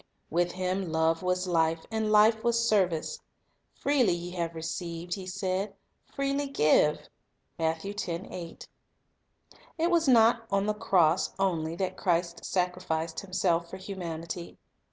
With Him love was life, and life was service. "Freely ye have received," He said, "freely give." 3 It was not on the cross only that Christ sacrificed Himself for humanity.